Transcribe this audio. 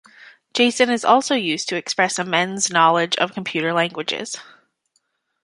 Jason is also used to express Amend's knowledge of computer languages.